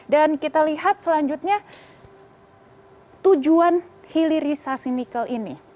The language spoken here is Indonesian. dan kita lihat selanjutnya tujuan hidrisasi nikel ini